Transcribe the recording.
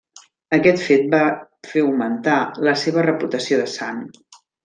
Aquest fet va fer augmentar la seva reputació de sant.